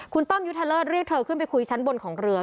คุณต้อมยุทธเลิศเรียกเธอขึ้นไปคุยชั้นบนของเรือ